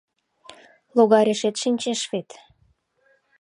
- Логарешет шинчеш вет.